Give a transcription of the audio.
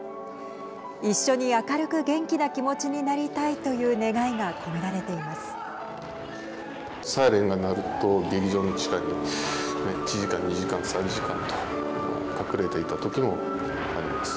一緒に明るく元気な気持ちになりたいという願いが込められています。